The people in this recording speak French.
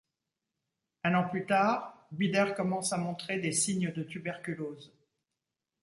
Un an plus tard, Bidder commence à montrer des signes de tuberculose.